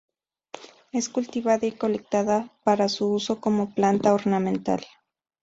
Es cultivada y colectada para su uso como planta ornamental.